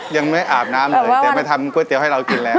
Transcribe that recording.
ยังไม่อาบน้ำเลยแต่มาทำก๋วยเตี๋ยวให้เรากินแล้ว